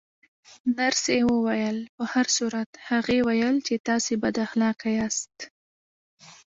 نرسې وویل: په هر صورت، هغې ویل چې تاسې بد اخلاقه یاست.